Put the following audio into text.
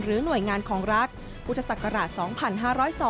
หรือหน่วยงานของรัฐอุตสักราช๒๕๐๒